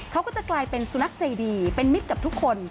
เขาก็จะกลายเป็นสุนัขใจดีเป็นมิตรกับทุกคน